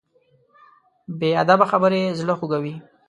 بې ادبه خبرې زړه خوږوي.